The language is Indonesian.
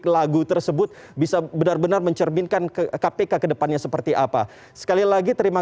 lagu tersebut bisa benar benar mencerminkan kpk kedepannya seperti apa sekali lagi terima